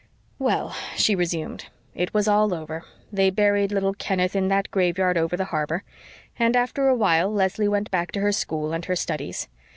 "Well," she resumed, "it was all over they buried little Kenneth in that graveyard over the harbor, and after a while Leslie went back to her school and her studies.